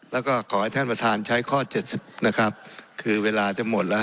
มาสักครู่ผมผิดข้อไหนครับผมผิดข้อไหนครับมาสักครู่ครับ